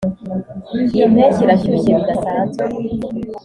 iyi mpeshyi irashyushye bidasanzwe.